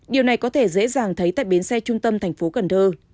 điều này có thể dễ dàng thấy tại biến xe trung tâm tp hcm